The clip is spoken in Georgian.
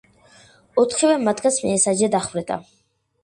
ოთხივე მათგანს მიესაჯა დახვრეტა.